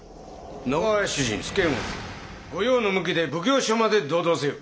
野川屋主人助右衛門御用の向きで奉行所まで同道せよ。